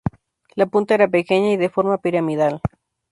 La punta era pequeña y de forma piramidal.